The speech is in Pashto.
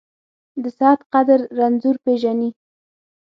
د صحت قدر رنځور پېژني .